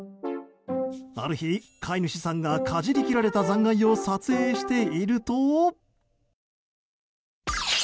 ある日、飼い主さんがかじり切られた残骸を撮影していると。